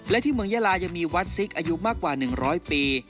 และที่เมืองยาลายังมีวัดซิกอายุมากกว่า๑๐๐ปี